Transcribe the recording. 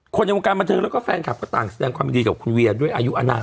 ในวงการบันเทิงแล้วก็แฟนคลับก็ต่างแสดงความยินดีกับคุณเวียด้วยอายุอนาค